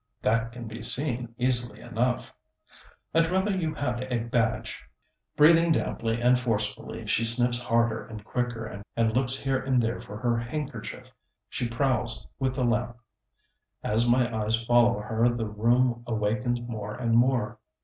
"That can be seen easily enough." "I'd rather you had a badge." Breathing damply and forcefully, she sniffs harder and quicker, and looks here and there for her handkerchief; she prowls with the lamp. As my eyes follow her, the room awakens more and more.